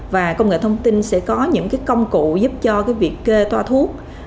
và công nghệ thông tin sẽ có những cái công cụ giúp cho cái việc kê toa thuốc